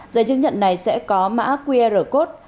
giấy chứng nhận này sẽ có mã qr code